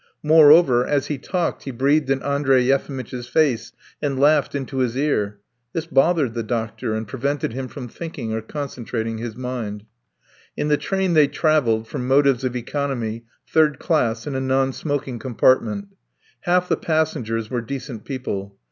Moreover, as he talked he breathed in Andrey Yefimitch's face and laughed into his ear. This bothered the doctor and prevented him from thinking or concentrating his mind. In the train they travelled, from motives of economy, third class in a non smoking compartment. Half the passengers were decent people.